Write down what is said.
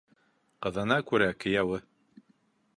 Ҡыҙына күрә кейәүе